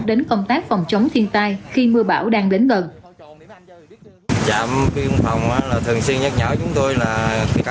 đến công tác phòng chống thiên tai